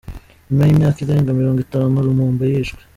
Nyuma y’imyaka irenga mirongo itanu Lumumba yishwe